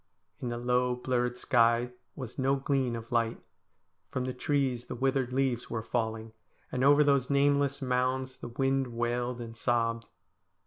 In the low, blurred sky was no gleam of light ; from the trees the withered leaves were falling, and over those nameless mounds the wind wailed and sobbed.